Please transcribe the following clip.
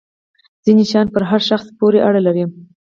ځینې شیان پر هر شخص پورې اړه لري.